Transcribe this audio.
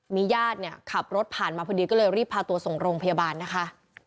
มีญาติเนี่ยขับรถผ่านมาพอดีก็เลยรีบพาตัวส่งโรงพยาบาลนะคะ